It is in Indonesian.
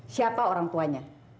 siapa orang tuanya